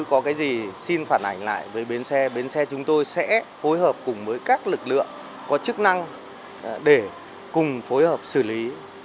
có chức năng để cùng phối hợp xử lý